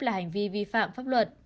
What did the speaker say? là hành vi vi phạm pháp luật